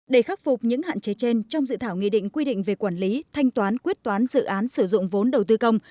để khắc phục những hạn chế trên trong dự thảo nghị định quy định về quản lý thanh toán quyết toán dự án sử dụng vốn đầu tư công